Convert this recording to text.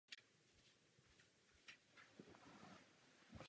Několikrát získali Juno Awards a byli nominováni na Grammy Awards.